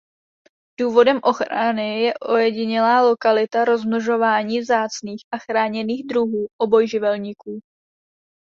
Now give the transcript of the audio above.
Důvodem ochrany je ojedinělá lokalita rozmnožování vzácných a chráněných druhů obojživelníků.